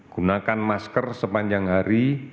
gunakan masker sepanjang hari